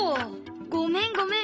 ごめんごめん。